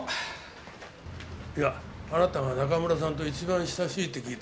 いやあなたが中村さんと一番親しいって聞いたもんだから。